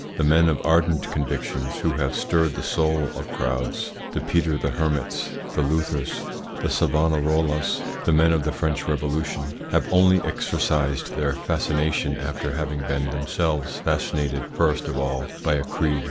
The men of ardent convictions who have stirred the soul of crowds, the Peter the Hermits, the Luthers, the Savonarolas, the men of the French Revolution, have only exercised their fascination after having been themselves fascinated first of all by a creed.